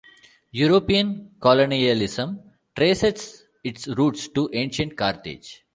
European colonialism traces its roots to ancient Carthage.